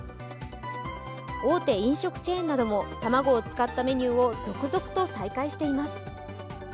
大手飲食チェーンなども卵を使ったメニューを続々と再開しています。